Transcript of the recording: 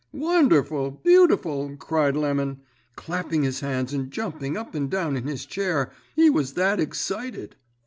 "'Wonderful! Beautiful!' cried Lemon, clapping his hands and jumping up and down in his chair, he was that egscited.